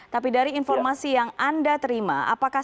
tapi dari informasi yang anda terima